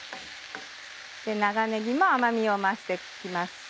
長ねぎも甘みを増して来ますし。